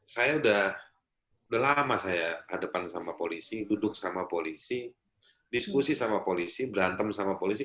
saya udah lama saya hadapan sama polisi duduk sama polisi diskusi sama polisi berantem sama polisi